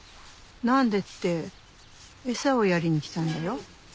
何でって餌をやりに来たんだよ。